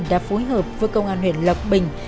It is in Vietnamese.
đã phối hợp với công an huyện lộc bình